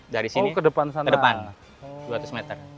dari sini ke depan dua ratus meter